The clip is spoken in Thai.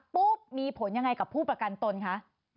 ปุ๊บมีผลอย่างไรกับผู้ประกันตนคะ